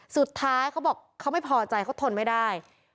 เขาบอกเขาไม่พอใจเขาทนไม่ได้